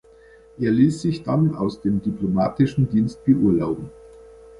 Er ließ sich dann aus dem diplomatischen Dienst beurlauben.